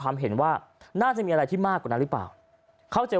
ความเห็นว่าน่าจะมีอะไรที่มากกว่านั้นหรือเปล่าเข้าใจ